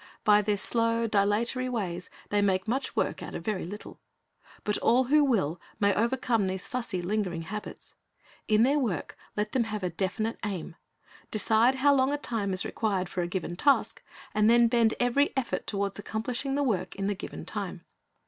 By their slow, dilatory ways, they make much work out of very little. But all who will, may overcome these fussy, lingering habits. In their work let them have a definite aim. Decide how long a time is required for a given task, and then bend every effort toward accomplishing the work in the given time.